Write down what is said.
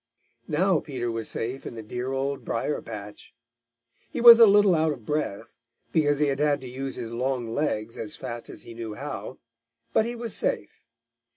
Now Peter was safe in the dear Old Briar patch. He was a little out of breath, because he had had to use his long legs as fast as he knew how, but he was safe.